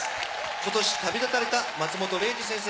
ことし旅立たれた松本零士先生